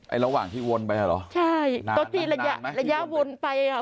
ไอ้ระหว่างที่วนไปหรอใช่ตอนนี้ระยะวนไปอ่ะ